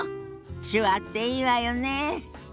手話っていいわよねえ。